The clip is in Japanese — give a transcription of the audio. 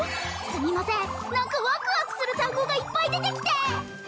すみません何かワクワクする単語がいっぱい出てきて！